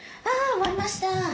終わりました！